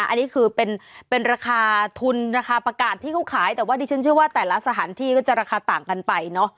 อันนี้คือเป็นราคาทุนราคาประกาศที่เขาขายแต่ว่าดิฉันเชื่อว่าแต่ละสถานที่ก็จะราคาต่างกันไปเนอะ